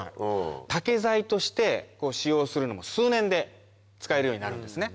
竹材として使用するのも数年で使えるようになるんですね。